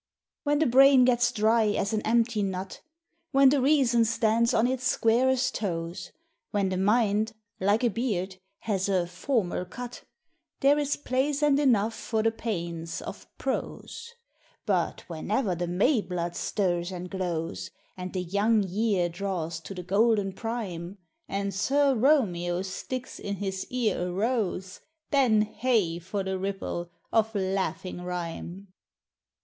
When the brain gets dry as an empty nut, When the reason stands on its squarest toes, When the mind (like a beard) has a " formal cut," — There is place and enough for the pains of prose ; But whenever the May blood stirs and glows, And the young year draws to the " golden prime," And Sir Romeo sticks in his ear a rose, — Then hey ! for the ripple of laughing rhyme